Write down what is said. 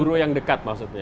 guru yang dekat maksudnya